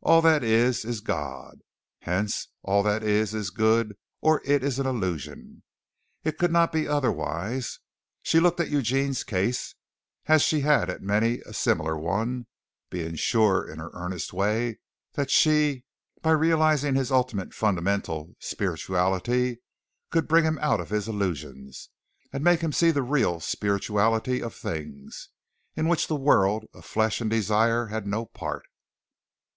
All that is, is God. Hence all that is, is good or it is an illusion. It could not be otherwise. She looked at Eugene's case, as she had at many a similar one, being sure, in her earnest way, that she, by realizing his ultimate fundamental spirituality, could bring him out of his illusions, and make him see the real spirituality of things, in which the world of flesh and desire had no part.